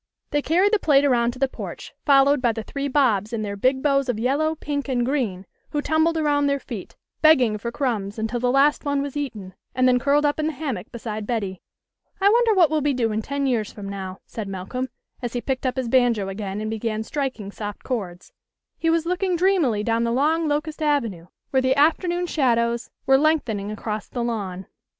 They carried the plate around to the porch, fol lowed by the three Bobs in their big bows of yellow, pink, and green, who tumbled around their feet, beg ging for crumbs until the last one was eaten, and then curled up in the hammock beside Betty. " I wonder what we'll be doing ten years from now," said Malcolm, as he picked up his banjo again and began striking soft chords. He was looking dreamily down the long locust avenue where the afternoon shadows were lengthening across the lawn.